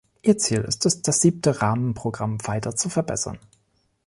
Ihr Ziel ist es, das Siebte Rahmenprogramm weiter zu verbessern.